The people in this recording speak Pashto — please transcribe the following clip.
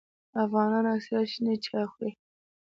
افغانان اکثریت شنې چای خوري